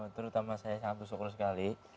terutama saya sangat bersyukur sekali